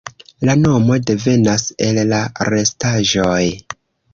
La nomo devenas el la restaĵoj.